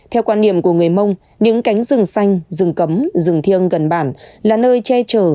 theo quan điểm của người mông những cánh rừng xanh rừng cấm rừng thiêng gần bản là nơi che chở